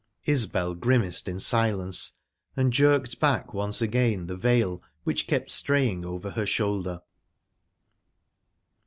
Isbel grimaced in silence, and jerked back once again the veil which kept straying over her shoulder.